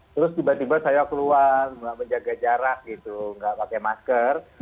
terus tiba tiba saya keluar nggak menjaga jarak gitu nggak pakai masker